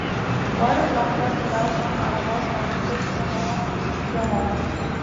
Warren remplacera John à la basse dans les sessions d'enregistrement.